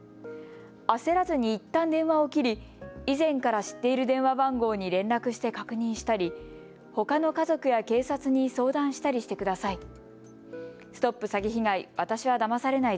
焦らずにいったん電話を切り以前から知っている電話番号に連絡して確認したり、ほかの家族や警察に相談したりしてください。